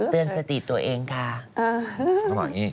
เตือนสติตัวเองค่ะ